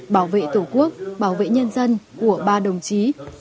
bảo vệ tổ quốc bảo vệ nhân dân của ba đồng chí